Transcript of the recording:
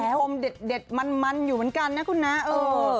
ดีครำคมเด็ดมันอยู่เหมือนกันนะครับ